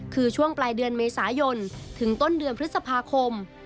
คือช่วงปลายเดือนเมษายนถึงต้นเดือนพฤษภาคม